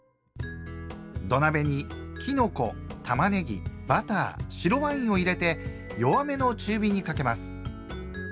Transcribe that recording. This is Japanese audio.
土鍋にきのこたまねぎバター白ワインを入れて弱めの中火にかけます。